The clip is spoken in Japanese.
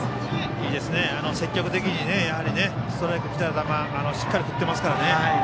積極的にストライクに来た球をしっかり振っていますからね。